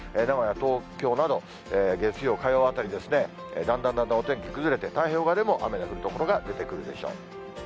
名古屋、東京など、月曜、火曜あたりですね、だんだんだんだんお天気崩れて、太平洋側でも雨が降る所が出てくるでしょう。